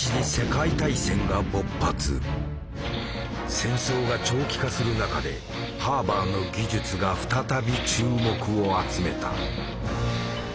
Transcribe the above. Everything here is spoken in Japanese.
戦争が長期化する中でハーバーの技術が再び注目を集めた。